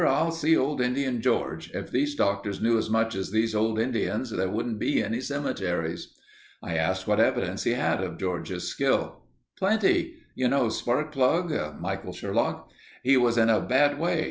I'll see old Indian George. If these doctors knew as much as these old Indians, there wouldn't be any cemeteries." I asked what evidence he had of George's skill. "Plenty. You know Sparkplug (Michael Sherlock)? He was in a bad way.